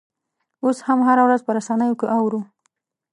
اوس هم هره ورځ په رسنیو کې اورو.